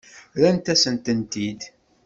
Rrant-asent-tent-id.